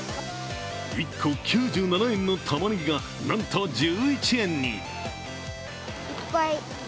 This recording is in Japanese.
１個９７円のタマネギがなんと１１円に。